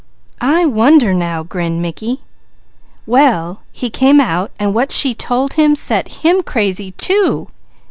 '" "I wonder now!" grinned Mickey. "Well he came out and what she had told him, set him crazy too.